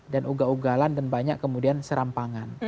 dan uga ugalan dan banyak kemudian serampangan